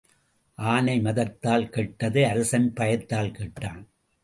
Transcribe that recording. ஆனை மதத்தால் கெட்டது அரசன் பயத்தால் கெட்டான்.